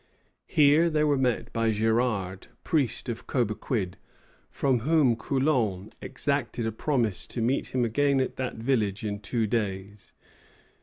Here they were met by Girard, priest of Cobequid, from whom Coulon exacted a promise to meet him again at that village in two days.